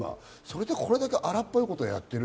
それでこれだけ荒っぽいことをやっている。